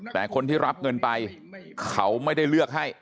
แต่คนที่รับเงินไปเขาไม่ได้เลือกให้